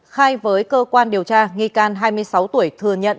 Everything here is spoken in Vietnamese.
khai với cơ quan điều tra nghi can hai mươi sáu tuổi thừa nhận